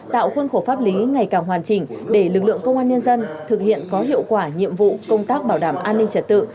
tạo khuôn khổ pháp lý ngày càng hoàn chỉnh để lực lượng công an nhân dân thực hiện có hiệu quả nhiệm vụ công tác bảo đảm an ninh trật tự